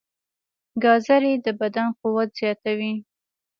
ګازرې د بدن قوت زیاتوي.